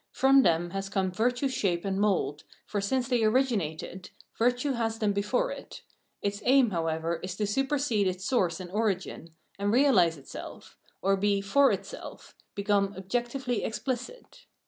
From them has come virtue's shape and mould, for since they originate it, virtue has them before it ; its aim, however, is to supersede its source and origin, and realise itself, or be "for itself," become objectively expHcit.